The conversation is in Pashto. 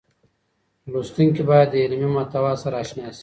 لوستونکي بايد د علمي محتوا سره اشنا شي.